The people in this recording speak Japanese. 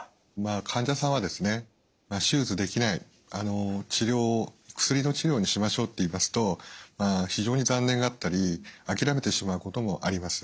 患者さんは「手術できない治療を薬の治療にしましょう」って言いますと非常に残念がったり諦めてしまうこともあります。